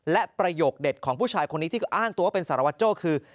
และประโยคเด็ดของผู้ชายคนนี้ที่อ้างตัวว่าเป็นสารวัตโจ้คือ